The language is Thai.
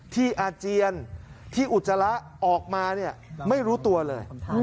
อาเจียนที่อุจจาระออกมาเนี่ยไม่รู้ตัวเลย